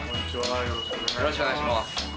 よろしくお願いします。